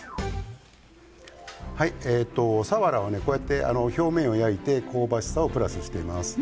さわらや表面を焼いて香ばしさをプラスしています。